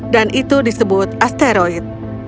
dan itu disebut asteroid